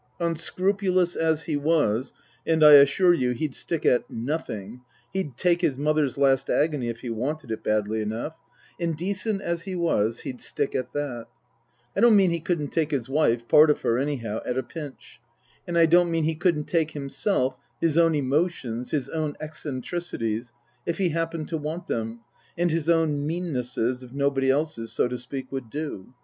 Unscrupulous as he was, and I assure you he'd stick at nothing (he'd " take " his mother's last agony if he " wanted " it badly enough), indecent as he was, he'd stick at that. I don't mean he couldn't take his wife, part of her, any how, at a pinch. And I don't mean he couldn't take himself, his own emotions, his own eccentricities, if he happened to want them, and his own meannesses, if nobody else's, so to speak, would do.